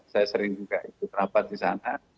saya sering juga ikut rapat di sana